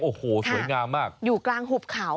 โอ้โหสวยงามมากอยู่กลางหุบเขา